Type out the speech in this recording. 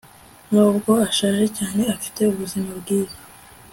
nubwo ashaje cyane, afite ubuzima bwiza